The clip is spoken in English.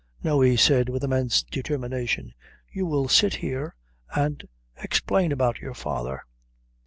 "No," he said, with immense determination, "you will sit here and explain about your father."